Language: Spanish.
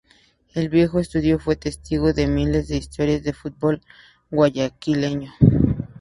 El viejo estadio fue testigo de miles de historias del fútbol guayaquileño.